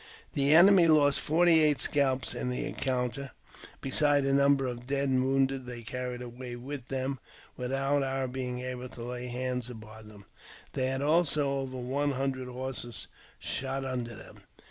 The enemy lost forty eight scalps in thej encounter, besides a number of dead and wounded they carried] away with them without our being able to lay hands upon them. They had also over one hundred horses shot under them.